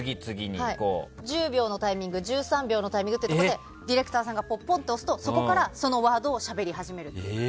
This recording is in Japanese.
１０秒のタイミング１３秒のタイミングってところでディレクターさんがポンって押すとそこからそのワードをしゃべり始める。